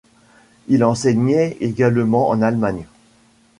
Il enseignait également en Allemagne.